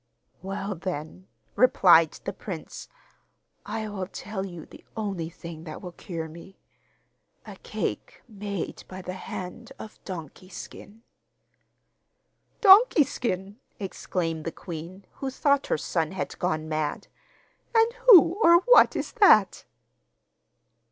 'Well, then,' replied the prince, 'I will tell you the only thing that will cure me a cake made by the hand of "Donkey Skin."' 'Donkey Skin?' exclaimed the queen, who thought her son had gone mad; 'and who or what is that?